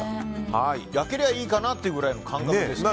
焼けりゃいいかなというぐらいの感覚ですね。